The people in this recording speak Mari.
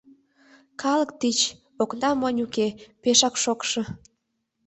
Калык тич, окна монь уке, пешак шокшо.